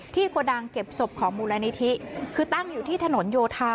โกดังเก็บศพของมูลนิธิคือตั้งอยู่ที่ถนนโยธา